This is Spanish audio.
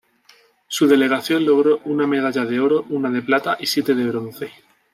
Su delegación logró una medalla de oro, una de plata y siete de bronce.